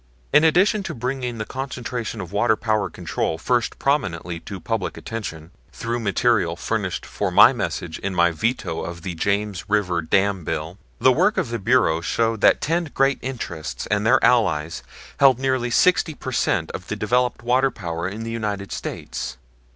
In addition to bringing the concentration of water power control first prominently to public attention, through material furnished for my message in my veto of the James River Dam Bill, the work of the Bureau showed that ten great interests and their allies held nearly sixty per cent of the developed water power of the United States.